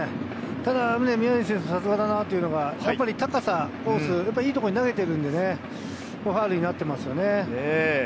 ただ宮西選手、さすがだなというのがやっぱり高さ、コース、いいところに投げてるんでね、ファウルになってますよね。